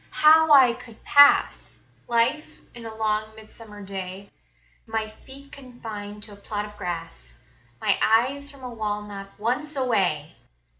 How I could pass Life in a long midsummer day, My feet confined to a plot of grass, My eyes from a wall not once away!